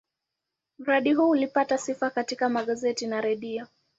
Mradi huu ulipata sifa katika magazeti na redio.